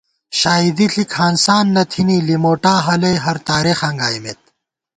شائیدی ݪِک ہانسان نہ تھنی ، لِموٹا ہلَئی ہرتارېخاں گائیمېت